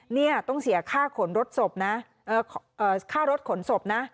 เนี่ยต้องเสียค่าขนรถศพนะค่ารถขนศพนะ